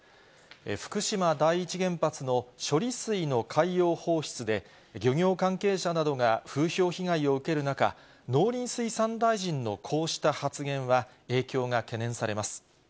福島第一原発の処理水の海洋放出で、漁業関係者などが風評被害を受ける中、農林水産大臣のこうした発言は、影響が懸念されます。